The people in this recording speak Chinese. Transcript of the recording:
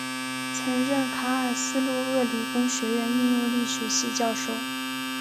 曾任卡尔斯鲁厄理工学院应用力学系教授。